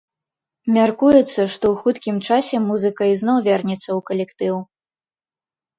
Мяркуецца, што ў хуткім часе музыка ізноў вернецца ў калектыў.